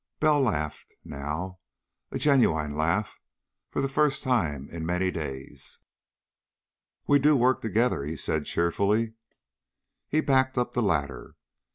Bell laughed, now. A genuine laugh, for the first time in many days. "We do work together!" he said cheerfully. But he backed up the ladder.